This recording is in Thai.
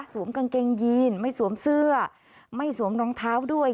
กางเกงยีนไม่สวมเสื้อไม่สวมรองเท้าด้วย